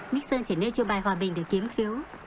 nixon chỉ nêu cho bài hòa bình để kiếm phiếu